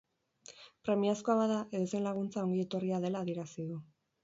Premiazkoa bada, edozein laguntza ongi etorria dela adierazi du.